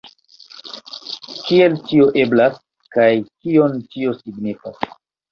Kiel tio eblas, kaj kion tio signifas?